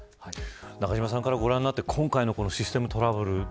中島さんからご覧になって今回のシステムトラブル